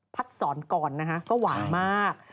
พัดศรก่อนนะฮะก็หวานมาก